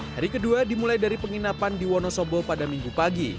hari kedua dimulai dari penginapan di wonosobo pada minggu pagi